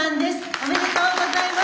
・おめでとうございます。